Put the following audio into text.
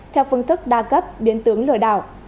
theo phương thức đa cấp biến tướng lừa đảo